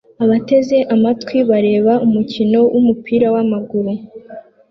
Abateze amatwi bareba umukino wumupira wamaguru